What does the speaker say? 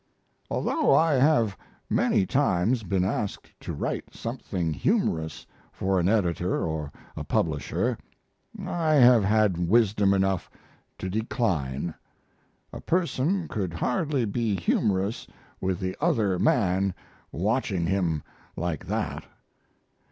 Although I have many times been asked to write something humorous for an editor or a publisher I have had wisdom enough to decline; a person could hardly be humorous with the other man watching him like that.